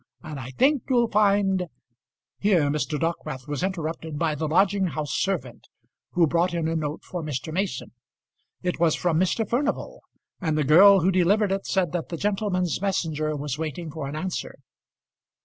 And I think you'll find " Here Mr. Dockwrath was interrupted by the lodging house servant, who brought in a note for Mr. Mason. It was from Mr. Furnival, and the girl who delivered it said that the gentleman's messenger was waiting for an answer.